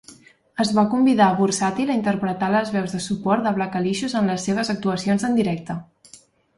Es va convidar Vursatyl a interpretar les veus de suport de Blackalicious en les seves actuacions en directe.